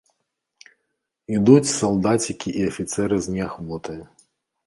Ідуць салдацікі і афіцэры з неахвотаю.